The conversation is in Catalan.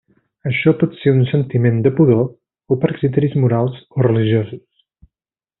Això pot ser per un sentiment de pudor, o per criteris morals o religiosos.